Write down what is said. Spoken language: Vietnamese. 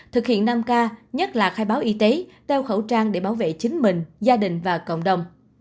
thực hiện năm k nhất là khai báo y tế đeo khẩu trang để bảo vệ chính mình gia đình và cộng đồng